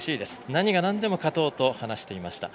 何がなんでも勝とうと話していました。